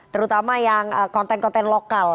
terutama yang konten konten lokal